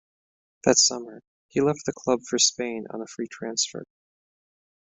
That summer, he left the club for Spain on a free transfer.